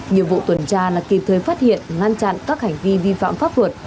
nhiệm vụ tuần tra là kịp thời phát hiện ngăn chặn các hành vi vi phạm pháp luật